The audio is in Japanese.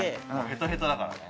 ヘトヘトだからね。